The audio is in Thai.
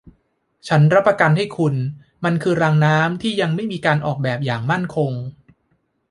ฉันรับประกันให้คุณ มันคือรางน้ำที่ยังไม่มีการออกแบบอย่างมั่นคง